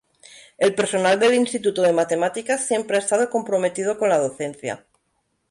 El personal del Instituto de Matemáticas siempre ha estado comprometido con la docencia.